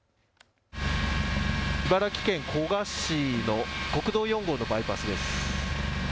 茨城県古河市の国道４号のバイパスです。